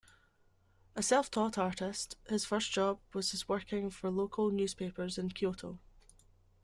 A self-taught artist, his first job was as working for local newspapers in Kyoto.